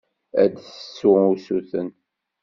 Ad d-tessu usuten.